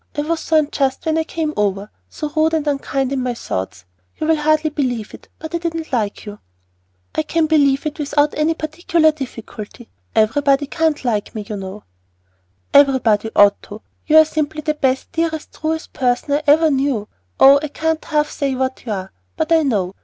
"I was so unjust when I came over, so rude and unkind in my thoughts. You will hardly believe it, but I didn't like you!" "I can believe it without any particular difficulty. Everybody can't like me, you know." "Everybody ought to. You are simply the best, dearest, truest person I ever knew. Oh, I can't half say what you are, but I know!